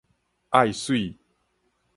愛媠